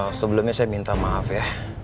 ya sebelumnya saya minta maaf ya